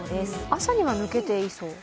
朝には抜けていそう？